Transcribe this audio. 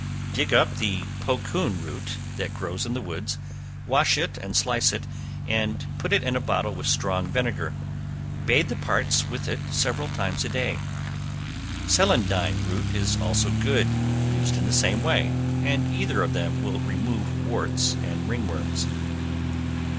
Dig up the pocoon root that grows in the woods, wash and slice it, and put it in a bottle with strong vinegar; bathe the parts with it several times a day. Celandine root is also good, used in the same way, and either of them will remove warts and ringworms.